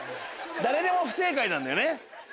誰でも不正解なんだよね。